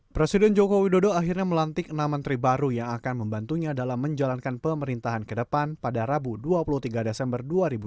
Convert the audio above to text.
presiden joko widodo akhirnya melantik enam menteri baru yang akan membantunya dalam menjalankan pemerintahan ke depan pada rabu dua puluh tiga desember dua ribu dua puluh